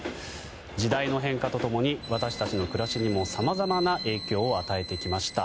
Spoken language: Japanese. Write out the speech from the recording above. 時代の変化と共に私たちの暮らしにもさまざまな影響を与えてきました。